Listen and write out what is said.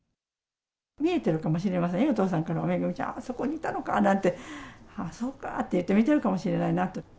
見えてるかもしれませんよ、お父さんからは、めぐみちゃん、あぁ、そこにいたのかって、ああ、そうかって言って、見てるかもしれないなと。